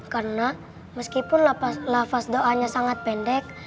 karena meskipun lafaz doanya sangat pendek